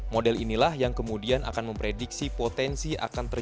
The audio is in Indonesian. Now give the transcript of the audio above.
model inilah yang kemudian akan memprediksi potensi akan terjadi di seluruh kepulauan nkri